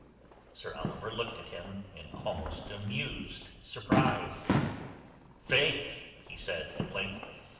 Sir Oliver looked at him in almost amused surprise. "Faith!" he said at length.